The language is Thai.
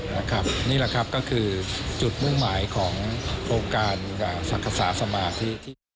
นี่แหละครับก็คือจุดมุ่งหมายของโครงการสังขสาสมาธิ